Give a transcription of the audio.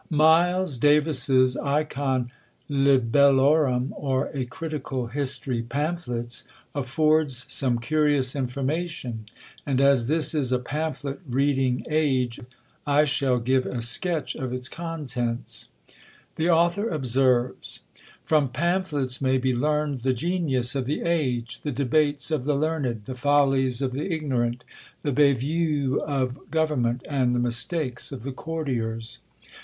Myles Davis's "ICON LIBELLORUM, or a Critical History Pamphlets," affords some curious information; and as this is a pamphlet reading age, I shall give a sketch of its contents. The author observes: "From PAMPHLETS may be learned the genius of the age, the debates of the learned, the follies of the ignorant, the bévues of government, and the mistakes of the courtiers.